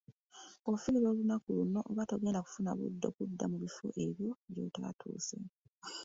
Bw'ofiirwa olunaku luno, oba togenda kufuna budde kudda mu bifo ebyo gy'otatuuse.